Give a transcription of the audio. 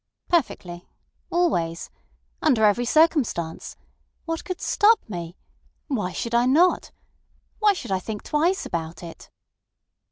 "Perfectly. Always. Under every circumstance. What could stop me? Why should I not? Why should I think twice about it?"